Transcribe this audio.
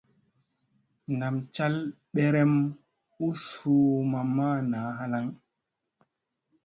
Nam cal berem u suu mamma naa halaŋ.